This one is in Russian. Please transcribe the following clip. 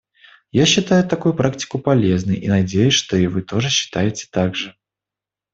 Я считаю такую практику полезной и надеюсь, что и вы тоже считаете так же.